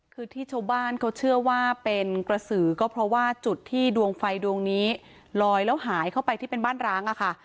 คือที่ชาวบ้านเขาเชื่อว่าเป็นกระสือก็เพราะว่าจุดที่ดวงไฟดวงนี้ลอยแล้วหายเข้าไปที่เป็นบ้านร้างอะค่ะ